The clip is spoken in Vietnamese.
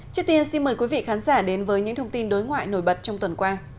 trước tiên xin mời quý vị khán giả đến với những thông tin đối ngoại nổi bật trong tuần qua